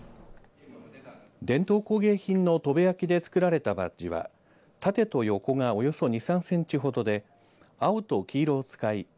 伝統工芸品の砥部焼で作られたバッジは縦と横がおよそ２、３センチほどで青と黄色を使い